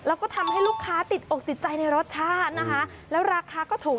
แล้วก็ทำให้ลูกค้าติดอกติดใจในรสชาตินะคะแล้วราคาก็ถูก